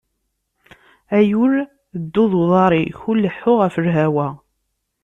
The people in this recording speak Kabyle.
A yul ddu d uḍaṛ-ik, ur leḥḥu ɣef lhawa!